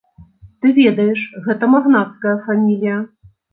Ты ведаеш, гэта магнацкая фамілія.